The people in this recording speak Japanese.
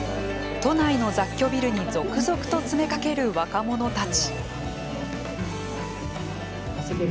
都内の雑居ビルに続々と詰めかける若者たち。